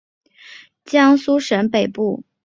合肥至新沂铁路位于安徽省东北部和江苏省北部。